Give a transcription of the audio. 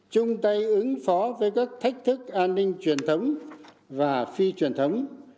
chung tay ứng phó với các thách thức an ninh truyền thống và phi truyền thống